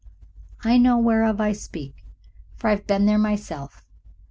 I know whereof I speak, for I have been there myself.